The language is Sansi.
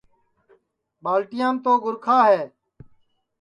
ٻالٹیام تو گُرکھا ہے